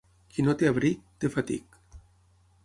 Qui no té abric, té fatic.